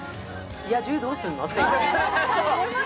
野獣どうすんの？って。